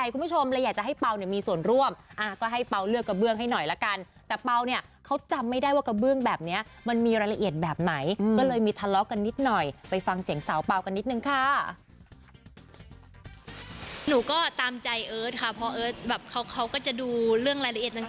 กลายเป็นสีกันเรื่องรายกระเบื้อง